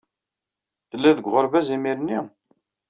Telliḍ deg uɣerbaz imir-nni?